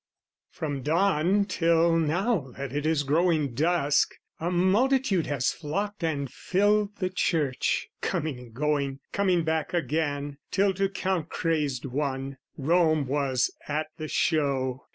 From dawn till now that it is growing dusk, A multitude has flocked and filled the church, Coming and going, coming back again, Till to count crazed one. Rome was at the show.